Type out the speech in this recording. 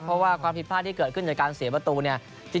เพราะว่าความผิดพลาดที่เกิดขึ้นจากการเสียประตูเนี่ย